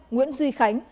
nguyễn duy khanh